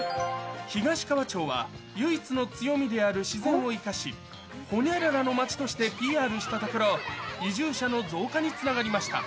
東川町は唯一の強みである自然を生かし、ホニャララの町としてＰＲしたところ、移住者の増加につながりました。